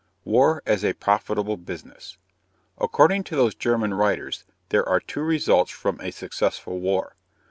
WAR AS A PROFITABLE BUSINESS. According to those German writers there are two results from a successful war.